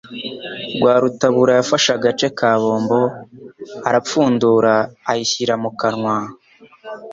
Rwarutabura yafashe agace ka bombo, arapfundura ayishyira mu kanwa.